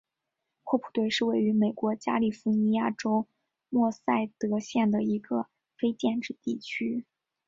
霍普顿是位于美国加利福尼亚州默塞德县的一个非建制地区。